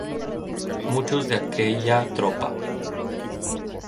Muchos de aquella tropa